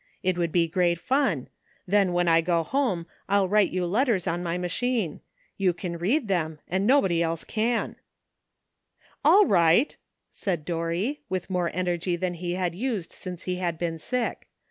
It would be great fun; then when I go home I'll write you letters on my machine. You can read them, and nobody else ''LUCK." 341 «' All right," said Dorry, with more energy than he had used since he had been sick.